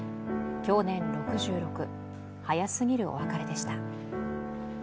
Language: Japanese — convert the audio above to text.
享年６６、早すぎるお別れでした。